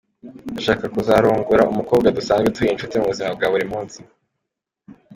Ndashaka kuzarongora umukobwa dusanzwe turi inshuti mu buzima bwa munsi.